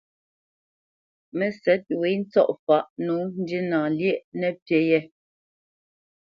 Mə́sɛ̌t wě ntsɔ̂faʼ nǒ ndína lyéʼ nəpí yɛ̌.